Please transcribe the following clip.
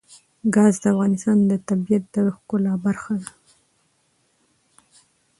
ګاز د افغانستان د طبیعت د ښکلا برخه ده.